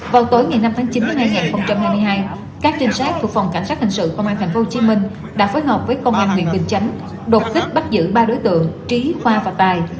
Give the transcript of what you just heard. vào tối ngày năm tháng chín năm hai nghìn hai mươi hai các trinh sát thuộc phòng cảnh sát hình sự công an thành phố hồ chí minh đã phối hợp với công an huyện bình chánh đột tích bắt giữ ba đối tượng trí khoa và tài